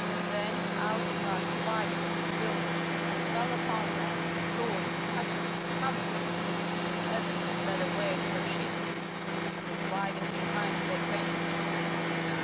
Ha! then out rushed Weigand and his builders, and fell upon them with swords and hatchets and hammers. The heathens fled away to their ships, with Weigand behind to take vengeance on them.